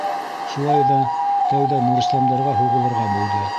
Шулай ҙа тәүҙә Нурисламдарға һуғылырға булды.